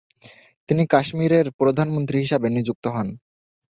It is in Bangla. তিনি কাশ্মীরের প্রধানমন্ত্রী হিসাবে নিযুক্ত হন।